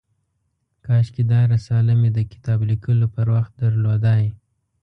کاشکي دا رساله مې د کتاب لیکلو پر وخت درلودای.